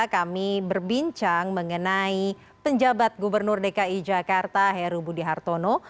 kami berbincang mengenai penjabat gubernur dki jakarta heru budi hartono